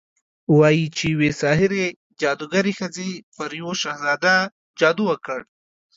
وايي چې يوې ساحرې، جادوګرې ښځې پر يو شهزاده جادو وکړ